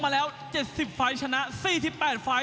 มารุ้นความมันครั้งยิ่งใหญ่อีกครั้งในวันศุกร์ที่๑๘สิงหาคม